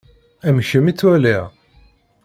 Am kemm i ttwaliɣ.